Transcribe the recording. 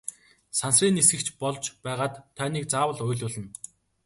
Сансрын нисэгч болж байгаад таныг заавал уйлуулна!